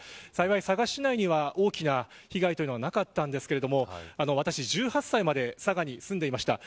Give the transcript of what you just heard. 幸い佐賀市内には大きな被害はなかったんですけど私、１８歳まで佐賀に住んでいました。